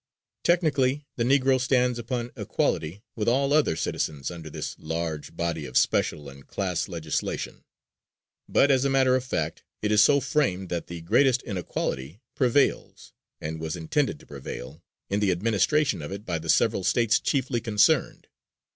Technically, the Negro stands upon equality with all other citizens under this large body of special and class legislation; but, as a matter of fact, it is so framed that the greatest inequality prevails, and was intended to prevail, in the administration of it by the several States chiefly concerned.